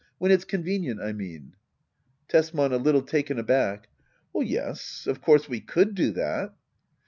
When it's convenient^ I mean. Tesman. [A little taken aback.] Yes — of course we could do that.